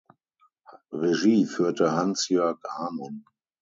Regie führte Hansjörg Amon.